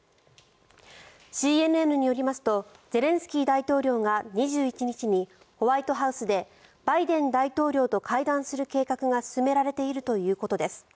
ＣＮＮによりますとゼレンスキー大統領が２１日にホワイトハウスでバイデン大統領と会談する計画が進められているということです。